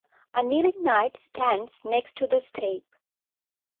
A kneeling knight stands next to the step.